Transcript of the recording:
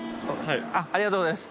ありがとうございます。